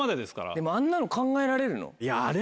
でもあんなの考えられるの？